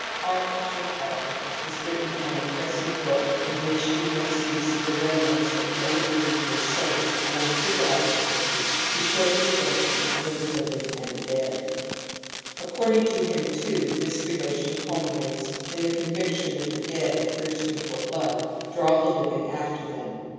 R. Kleinpaul has written an impressive book in which he makes use of the remnants of the old belief in souls among civilized races to show the relation between the living and the dead *•. Ac cording to him too, this relation culminates in /the conviction that the dead, thirsting for blood, draw the living after them.